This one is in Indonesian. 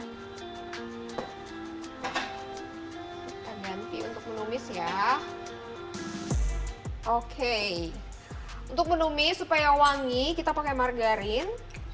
kita ganti untuk menumis ya oke untuk menumis supaya wangi kita pakai margarin